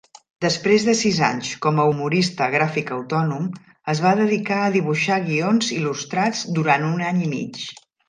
Desprès de sis anys com a humorista gràfic autònom, es va dedicar a dibuixar guions il·lustrats durant un any i mig.